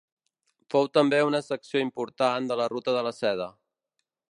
Fou també una secció important de la ruta de la Seda.